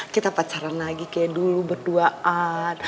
kita pacaran lagi kayak dulu berduaan